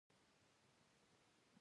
هېچا ته اجازه مه ورکوئ چې خنډ شي.